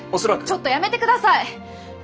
ちょっとやめてください！